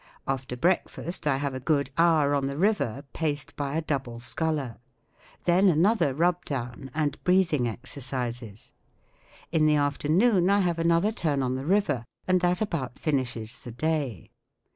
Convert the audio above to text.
After break¬ fast I have a good hour on the river, paced by a double sculler* Then another rub down and breath¬ ing exercises. In the afternoon I have another turn on the river, and that about finishes the day.